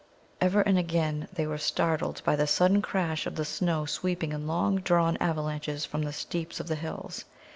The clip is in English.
Ever and again they were startled by the sudden crash of the snow sweeping in long drawn avalanches from the steeps of the hills.